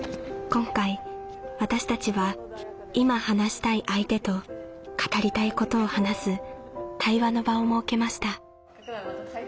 今回私たちは「今話したい相手」と「語りたいこと」を話す対話の場を設けました。